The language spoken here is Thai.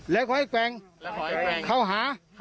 และขอให้แบ่งเข้าหา